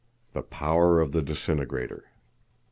The Power of the Disintegrator.